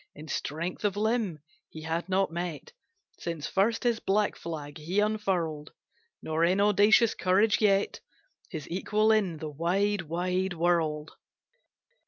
In strength of limb he had not met, Since first his black flag he unfurled, Nor in audacious courage, yet, His equal in the wide, wide world.